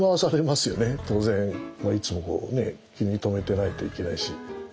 いつもこうね気に留めてないといけないし。